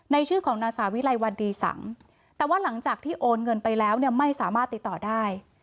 ชื่อของนางสาวิไลวันดีสังแต่ว่าหลังจากที่โอนเงินไปแล้วเนี่ยไม่สามารถติดต่อได้